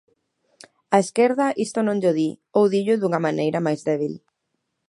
A esquerda isto non llo di, ou dillo dunha maneira máis débil.